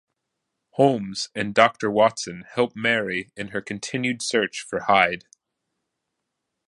Holmes and Doctor Watson help Mary in her continued search for Hyde.